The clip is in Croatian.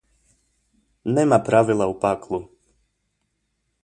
Nema pravila u paklu!